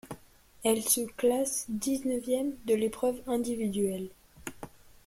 Elle se classe dix-neuvième de l'épreuve individuelle.